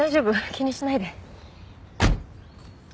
気にしないで。